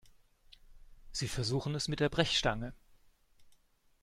Sie versuchen es mit der Brechstange.